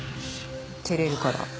照れるから。